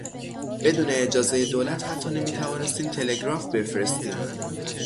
بدون اجازهی دولت حتی نمیتوانستیم تلگراف بفرستیم.